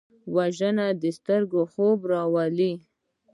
وژنه د سترګو خوب ورولي